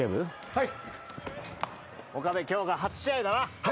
はい！